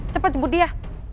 cepet jemput dia